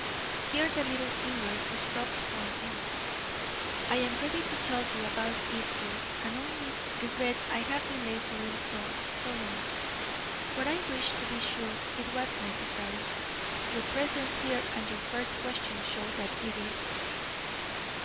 Here the little finger stopped pointing. "I am ready to tell you about it, sirs, and only regret I have delayed doing so so long, but I wished to be sure it was necessary. Your presence here and your first question show that it is."